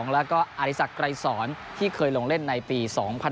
แล้วก็อริสักไกรสอนที่เคยลงเล่นในปี๒๐๑๖